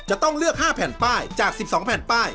จะต้องเลือก๕แผ่นป้ายจาก๑๒แผ่นป้าย